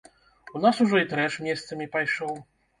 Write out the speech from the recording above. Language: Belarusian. У нас ужо і трэш месцамі пайшоў.